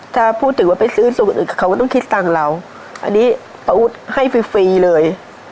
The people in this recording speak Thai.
ถ้าพูดถึงว่าไปซื้อสูตรอื่นเขาก็ต้องคิดตังค์เราอันนี้ป้าอุ๊ดให้ฟรีฟรีเลย